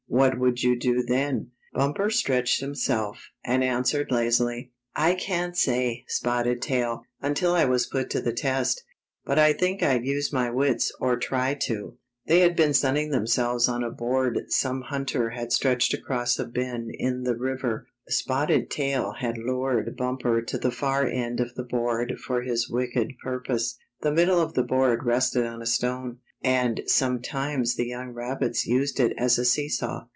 What would you do then?" Bumper stretched himself, and answered laz ily: "I can't say, Spotted Tail, until I was put to the test. But I think I'd use my wits or try to." 54 The Test of Wits They had been sunning themselves on a board some hunter had stretched across a bend in the river. Spotted Tail had lured Bumper to the far end of the board for his wicked purpose. The middle of the board rested on a stone, and some times the young rabbits used it as a see saw.